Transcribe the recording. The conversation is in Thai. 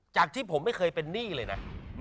จากที่ผมไม่เคยเป็นหนี้เลยนะ